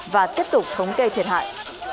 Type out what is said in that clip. và tiếp tục thống kê thiệt hại